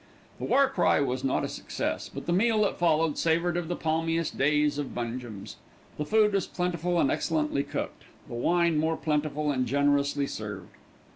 The war cry was not a success, but the meal that followed savoured of the palmiest days of Bungem's. The food was plentiful and excellently cooked; the wine more plentiful and generously served.